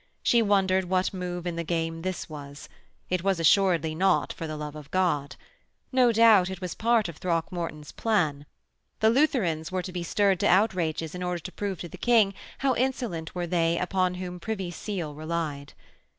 She wondered what move in the game this was: it was assuredly not for the love of God. No doubt it was part of Throckmorton's plan. The Lutherans were to be stirred to outrages in order to prove to the King how insolent were they upon whom Privy Seal relied.